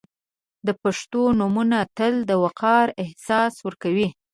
• د پښتو نومونه تل د وقار احساس ورکوي.